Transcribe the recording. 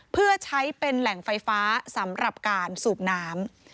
เพื่อใช้เป็นแหล่งไฟฟ้าสำหรับการสูบน้ำ